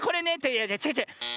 いやちがうちがう。